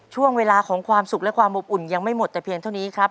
ช่วงเวลาของความสุขและความอบอุ่นยังไม่หมดแต่เพียงเท่านี้ครับ